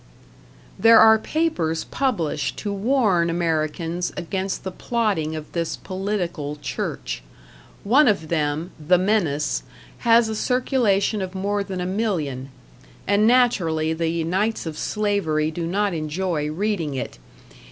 There are papers published to warn Americans against the plotting of this political Church. One of them, "The Menace," has a circulation of more than a million; and naturally the Knights of Slavery do not enjoy reading it.